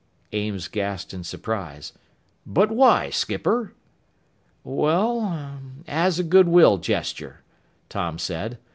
_" Ames gasped in surprise. "But why, skipper?" "Well ... er ... as a good will gesture," Tom said.